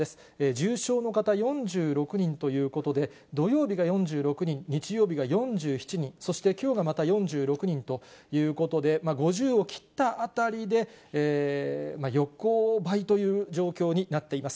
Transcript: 重症の方４６人ということで、土曜日が４６人、日曜日が４７人、そしてきょうがまた４６人ということで、５０を切ったあたりで横ばいという状況になっています。